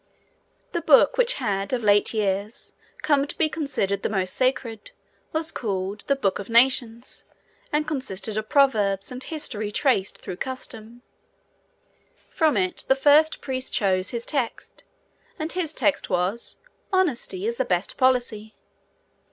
The book which had, of late years, come to be considered the most sacred, was called The Book of Nations, and consisted of proverbs, and history traced through custom: from it the first priest chose his text; and his text was, 'Honesty Is the Best Policy.'